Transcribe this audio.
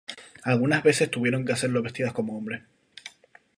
Algunas veces tuvieron que hacerlo vestidas como los hombres.